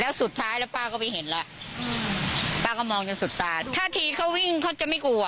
แล้วสุดท้ายแล้วป้าก็ไปเห็นแล้วอืมป้าก็มองจนสุดตาท่าทีเขาวิ่งเขาจะไม่กลัว